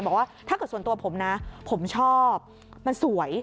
บอกว่าถ้าเกิดส่วนตัวผมนะผมชอบมันสวย